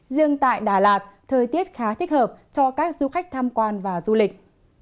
riêng tại đà lạt thời tiết khá thích hợp cho các du khách tham quan và du lịch